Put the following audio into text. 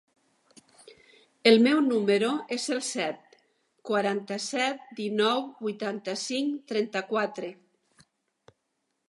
El meu número es el set, quaranta-set, dinou, vuitanta-cinc, trenta-quatre.